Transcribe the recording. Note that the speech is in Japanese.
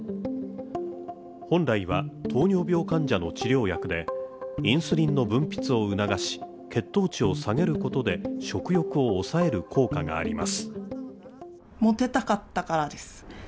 本来は糖尿病患者の治療薬でインスリンの分泌を促し血糖値を下げることで食欲を抑える効果があります